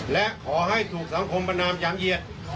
และขอให้ถูกสังคมประนามอย่างเอียด